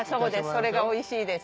それがおいしいです。